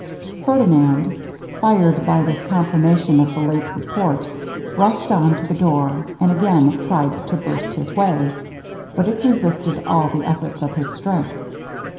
Ferdinand, fired by this confirmation of the late report, rushed on to the door, and again tried to burst his way, but it resisted all the efforts of his strength.